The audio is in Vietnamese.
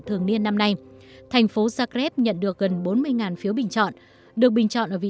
thường niên năm nay thành phố sakeb nhận được gần bốn mươi phiếu bình chọn được bình chọn ở vị